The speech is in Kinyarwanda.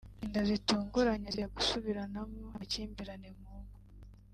inda zitunguranye zitera gusubiranamo n’amakimbirane mu ngo